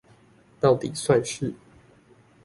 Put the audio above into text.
到底算是